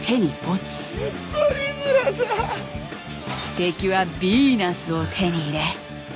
敵はビーナスを手に入れ。